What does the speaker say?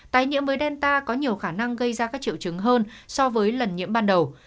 tái nhiễm mới delta có nhiều khả năng gây ra các triệu chứng hơn so với lần nhiễm ban đầu